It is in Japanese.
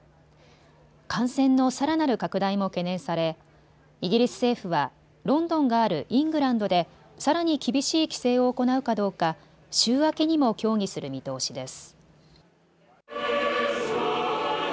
感染のさらなる拡大も懸念されイギリス政府はロンドンがあるイングランドでさらに厳しい規制を行うかどうか週明けにも協議する見通しです。